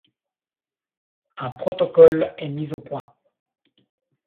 Un protocole est mis au point.